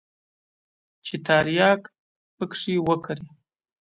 چې ترياک پکښې وکري.